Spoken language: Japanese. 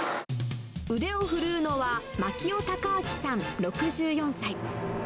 腕を振るうのは、牧尾孝明さん６４歳。